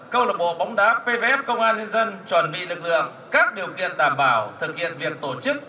câu lạc bộ bóng đá pvf công an nhân dân chuẩn bị lực lượng các điều kiện đảm bảo thực hiện việc tổ chức